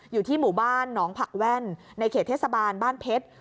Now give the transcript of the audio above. อยู่ที่หมู่บ้านหนองผักแว่นในเขตเทศบาลบ้านเพชร